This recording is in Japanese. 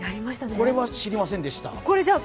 これは知りませんでした。